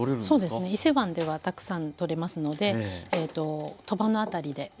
そうですね伊勢湾ではたくさん採れますので鳥羽の辺りで。